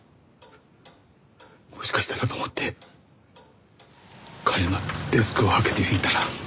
もしかしたらと思って彼のデスクを開けてみたら。